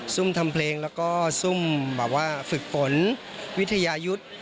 ซุ่มทำเพลงแล้วก็ซุ่มฝึกผลวิทยายุทธิ์